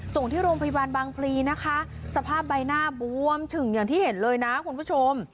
ส่งโรงพยาบาลบางพลีนะคะสภาพใบหน้าบวมฉึ่งอย่างที่เห็นเลยนะคุณผู้ชม